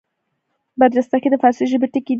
برجستګي د فاړسي ژبي ټکی دﺉ.